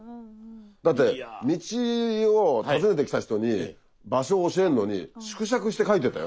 だって道を尋ねてきた人に場所を教えるのに縮尺して描いてたよ。